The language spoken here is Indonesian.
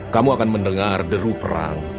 kamu akan mendengar deru perang